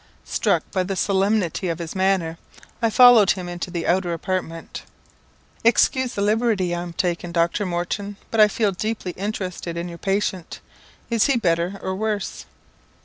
Struck by the solemnity of his manner, I followed him into the outer apartment. "Excuse the liberty I am taking Dr. Morton; but I feel deeply interested in your patient. Is he better or worse?"